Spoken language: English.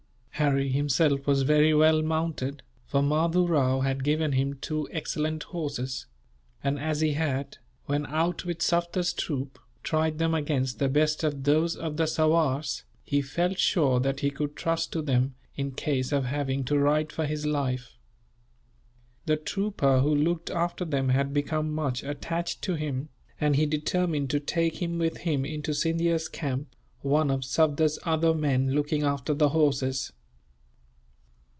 Harry himself was very well mounted, for Mahdoo Rao had given him two excellent horses; and as he had, when out with Sufder's troop, tried them against the best of those of the sowars, he felt sure that he could trust to them, in case of having to ride for his life. The trooper who looked after them had become much attached to him, and he determined to take him with him into Scindia's camp, one of Sufder's other men looking after the horses.